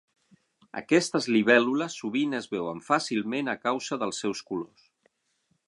Aquestes libèl·lules sovint es veuen fàcilment a causa dels seus colors.